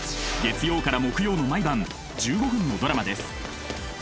月曜から木曜の毎晩１５分のドラマです。